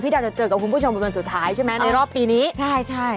ดาวจะเจอกับคุณผู้ชมเป็นวันสุดท้ายใช่ไหมในรอบปีนี้ใช่ใช่